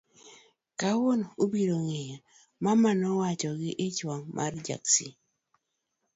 Kawuono ubiro ng'eya, Mama nowacho gi ich wang' mar Ja kisii.